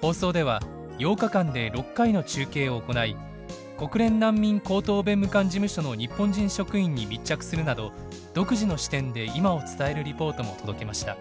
放送では８日間で６回の中継を行い国連難民高等弁務官事務所の日本人職員に密着するなど独自の視点で今を伝えるリポートも届けました。